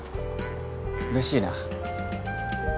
嬉しいな。